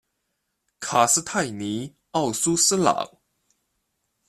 卡斯泰尼奥苏斯朗。